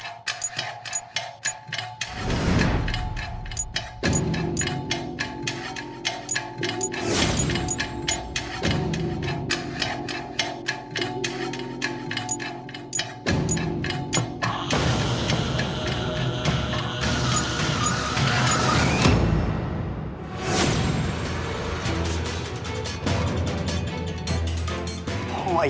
จัดเต็มให้เลย